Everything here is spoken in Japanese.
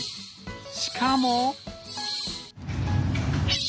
しかも。